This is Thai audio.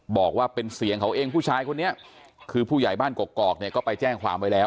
บอกว่าเป็นเสียงเขาเองผู้ชายคนนี้คือผู้ใหญ่บ้านกอกเนี่ยก็ไปแจ้งความไว้แล้ว